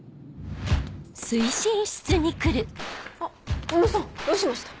あっ小野さんどうしました？